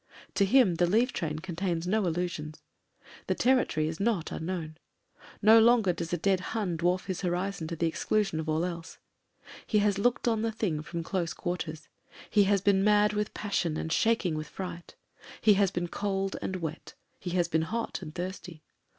To him the leave train contains no illusions; the territory is not un known. No longer does a dead Hun dwarf his horizon to the exclusion of all else. He has looked on the thing from close quarters ; he has been mad with pas sion and shaking with fright; he has been cold and wet, he has been hot and thirsty.